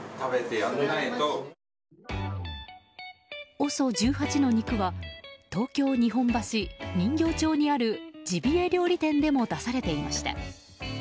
ＯＳＯ１８の肉は東京・日本橋人形町にあるジビエ料理店でも出されていました。